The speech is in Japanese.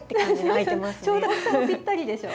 ちょうど大きさもぴったりでしょ？